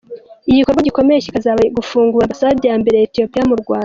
Igikorwa gikomeye kikazaba gufungura Ambasade ya mbere ya Ethiopia mu Rwanda.